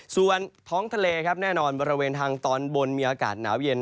ส่วนท้องทะเลครับแน่นอนบริเวณทางตอนบนมีอากาศหนาวเย็น